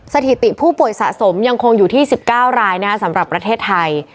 สถิติผู้ป่วยสะสมยังคงอยู่ที่๑๙รายสำหรับประเทศไทย